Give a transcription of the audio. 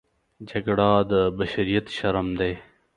جګړه د بشریت شرم دی